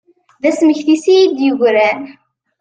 D asmekti-s i yi-d-yegran.